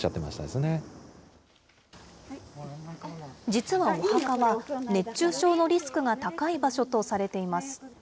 実はお墓は、熱中症のリスクが高い場所とされています。